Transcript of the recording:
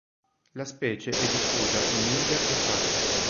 La specie è diffusa in India e Pakistan.